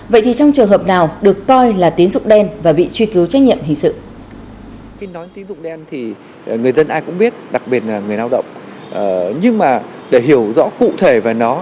vậy thì trong trường hợp nào được coi là tín dụng đen